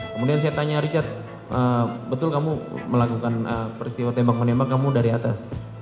kemudian saya tanya richard betul kamu melakukan peristiwa tembak menembak kamu dari atas